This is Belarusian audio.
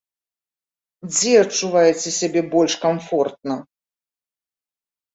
Дзе адчуваеце сябе больш камфортна?